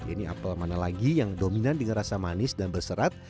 ini apel mana lagi yang dominan dengan rasa manis dan berserat